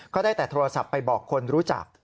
ก็ได้แต่โทรศัพท์ไปบอกคนรู้จัก